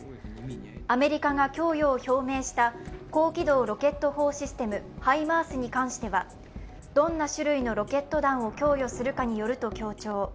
アメリカが供与を表明した高機動ロケット砲システム＝ＨＩＭＡＲＳに関してはどんな種類のロケット弾を供与するかによると強調。